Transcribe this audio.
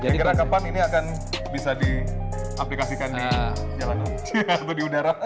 kira kira kapan ini akan bisa diaplikasikan di udara